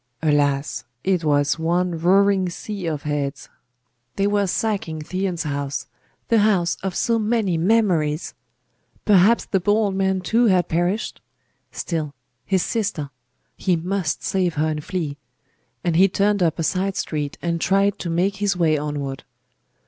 Alas! it was one roaring sea of heads! They were sacking Theon's house the house of so many memories! Perhaps the poor old man too had perished! Still his sister! He must save her and flee. And he turned up a side street and tried to make his way onward.